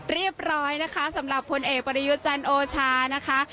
เรียบร้อยนะคะสำหรับผลเอกปรยศจรรย์โอชานะคะ